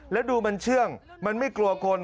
แล้วดูมันเชื่องมันไม่กลัวคน